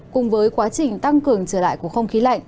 cùng với quá trình tăng cường trở lại của không khí lạnh